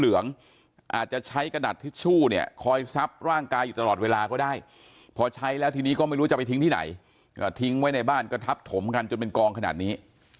อาจจะใช้กระดาษทิชชู่เนี่ยคอยซับร่างกายอยู่ตลอดเวลาก็ได้พอใช้แล้วทีนี้ก็ไม่รู้จะไปทิ้งที่ไหนก็ทิ้งไว้ในบ้านก็ทับถมกันจนเป็นกองขนาดนี้